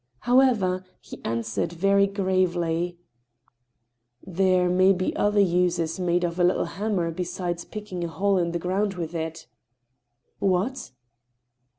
Hbweyer, he answered, very gravely :" There may be other uses made of a little hammer, besides picking a hole in the ground with it." ''What?"